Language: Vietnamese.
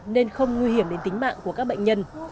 nên không nguy hiểm đến tính mạng của các bệnh nhân